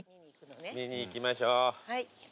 見に行きましょう。